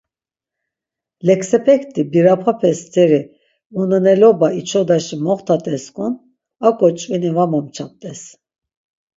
Leksepekti birapape steri uneneloba içodaşi moxtat̆esk̆on ak̆o ç̌vini va momçapt̆es.